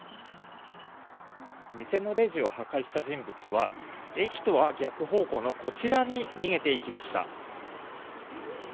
店のレジを破壊した人物は駅とは逆方向のこちらへ逃げていきました。